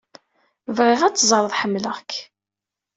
Bɣiɣ ad teẓreḍ ḥemmleɣ-k.